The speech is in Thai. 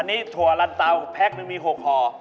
อันนี้ถั่วลันเตาแพ็คนึงมี๖ห่อ